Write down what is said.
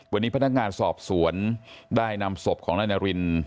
วันนี้พนักงานสอบสวนได้นำศพของนายนาริน